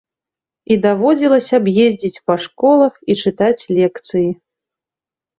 І даводзілася б ездзіць па школах і чытаць лекцыі.